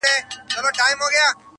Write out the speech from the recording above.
د کرونا ویري نړۍ اخیستې.!